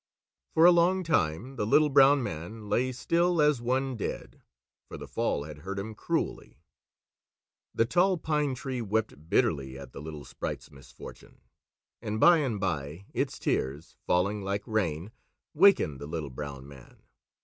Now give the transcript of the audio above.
For a long time, the Little Brown Man lay still as one dead, for the fall had hurt him cruelly. The Tall Pine Tree wept bitterly at the little sprite's misfortune, and by and by its tears, falling like rain, wakened the Little Brown Man.